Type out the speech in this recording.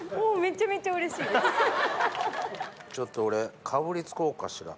ちょっと俺かぶりつこうかしら。